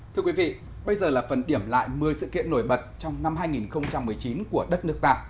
thưa quý vị bây giờ là phần điểm lại một mươi sự kiện nổi bật trong năm hai nghìn một mươi chín của đất nước ta